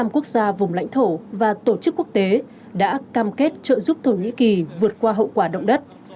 một mươi quốc gia vùng lãnh thổ và tổ chức quốc tế đã cam kết trợ giúp thổ nhĩ kỳ vượt qua hậu quả động đất